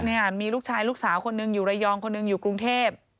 เนี่ยมีลูกชายลูกสาวคนหนึ่งอยู่ระยองคนหนึ่งอยู่กรุงเทพ